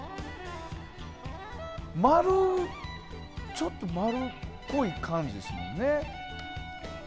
ちょっと丸っこい感じですもんね。